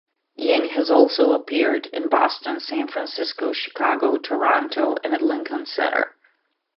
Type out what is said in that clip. Yin has also appeared in Boston, San Francisco, Chicago, Toronto, and at Lincoln Center.